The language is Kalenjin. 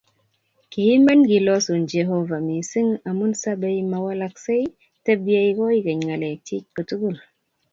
Kimen Kilosun, Jehovah, mising' amun sabeiMa walaksei; tebyei koigeny.ng'alekyik kotugul,